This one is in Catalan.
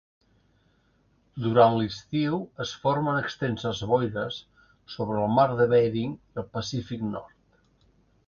Durant l'estiu, es formen extenses boires sobre el mar de Bering i el Pacífic Nord.